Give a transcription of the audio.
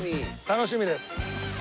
楽しみです。